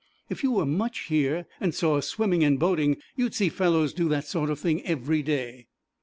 If you were much here, and saw us swimming and boating, you'd see fellows do that sort of thing every day.'